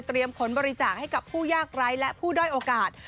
ขนบริจาคให้กับผู้ยากไร้และผู้ด้อยโอกาส